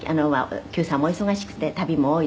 「九さんもお忙しくて旅も多いでしょう？」